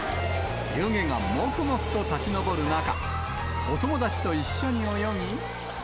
湯気がもくもくと立ち上る中、お友達と一緒に泳ぎ。